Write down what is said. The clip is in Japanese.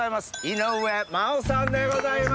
井上真央さんでございます。